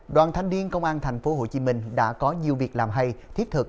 đoàn thanh niên công an tp hcm đã có nhiều việc làm hay thiết thực